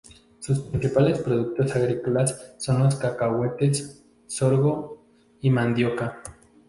Las principales productos agrícolas son los cacahuetes, sorgo y mandioca.